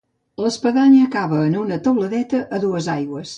L'espadanya acaba en una teuladeta a dues aigües.